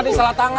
tadi salah tangan